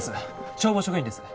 消防職員です